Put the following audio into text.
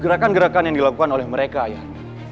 gerakan gerakan yang dilakukan oleh mereka yan